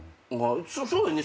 そうよね